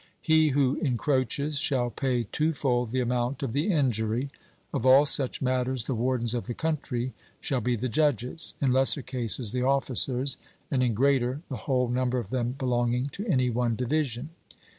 He who encroaches shall pay twofold the amount of the injury; of all such matters the wardens of the country shall be the judges, in lesser cases the officers, and in greater the whole number of them belonging to any one division.